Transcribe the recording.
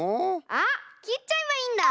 あっきっちゃえばいいんだ！